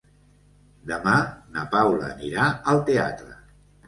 Demà na Paula anirà al teatre.